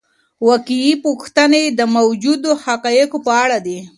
واقعي پوښتنې د موجودو حقایقو په اړه دي.